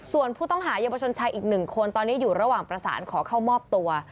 ส่วนผู้ต้องหาเยาวชนชายอีกหนึ่งคนตอนนี้อยู่ระหว่างประสานขอเข้ามอบตัว